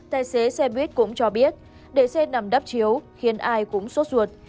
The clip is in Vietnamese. tài xế xe buýt cũng cho biết để xe nằm đắp chiếu khiến ai cũng sốt ruột